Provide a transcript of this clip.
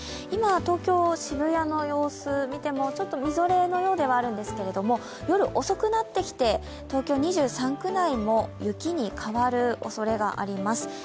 今、東京・渋谷の様子を見てもちょっとみぞれのようではあるんですけれども、夜遅くなってきて、東京２３区内も雪に変わるおそれがあります。